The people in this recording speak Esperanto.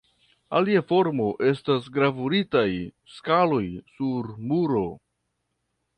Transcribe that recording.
Alia formo estas gravuritaj skaloj sur muro.